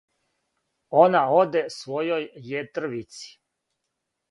Она оде својој јетрвици,